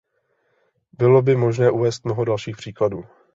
Bylo by možno uvést mnoho dalších příkladů.